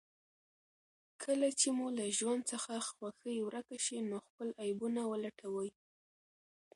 کله چې مو له ژوند څخه خوښي ورکه شي، نو خپل عيبونه ولټوئ.